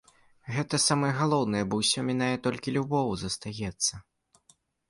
Гэта самае галоўнае, бо ўсё мінае, толькі любоў застаецца.